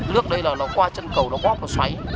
nước đây là nó qua chân cầu nó góp nó xoáy